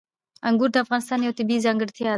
انګور د افغانستان یوه طبیعي ځانګړتیا ده.